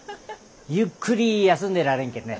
ゆっくり休んでられんけんね。